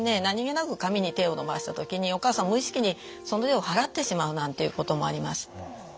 何気なく髪に手を伸ばした時にお母さん無意識にその手を払ってしまうなんていうこともあります。